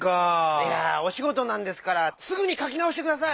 いやおしごとなんですからすぐにかきなおしてください！